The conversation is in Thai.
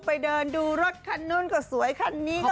ไปเดินดูรถคันนึงก็สวยคันนี้ก็โง่น